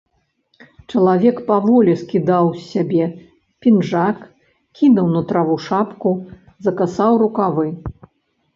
Чалавек паволі скідаў з сябе пінжак, кінуў на траву шапку, закасаў рукавы.